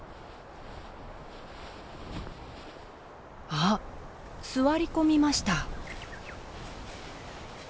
あっ座り込みました。